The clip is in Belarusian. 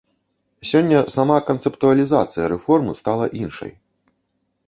Сёння сама канцэптуалізацыя рэформ стала іншай.